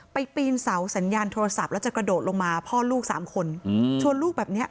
ปีนเสาสัญญาณโทรศัพท์แล้วจะกระโดดลงมาพ่อลูกสามคนชวนลูกแบบเนี้ย